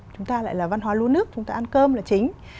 chúng ta lại là văn hóa lúa nước chúng ta ăn cơm là chính